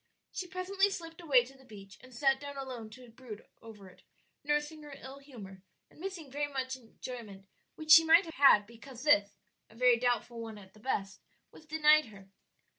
She presently slipped away to the beach and sat down alone to brood over it, nursing her ill humor and missing much enjoyment which she might have had because this a very doubtful one at the best was denied her.